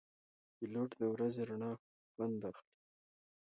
پیلوټ د ورځې رڼا خوند اخلي.